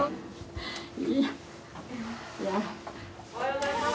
・おはようございます。